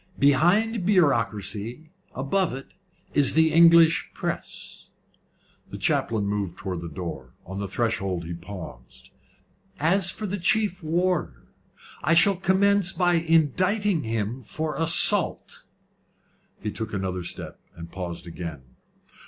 Behind bureaucracy above it is the English press." The chaplain moved towards the door. On the threshold he paused. "As for the chief warder, I shall commence by indicting him for assault." He took another step, and paused again.